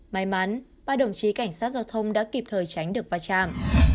may mắn ba đồng chí cảnh sát giao thông đã kịp thời tránh được va chạm